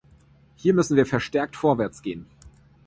Hier müssen wir verstärkt vorwärts gehen.